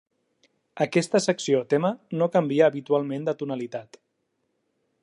Aquesta secció o tema, no canvia habitualment de tonalitat.